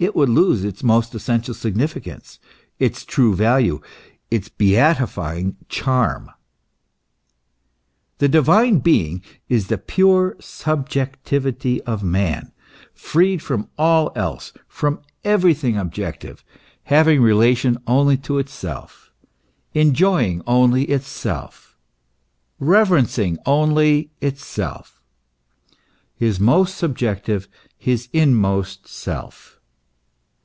97 would lose its most essential significance, its true value, its beatifying charm. The divine being is the pure subjectivity of man, freed from all else, from every thing objective, having relation only to itself, enjoying only itself, reverencing only itself his most subjective, his inmost self.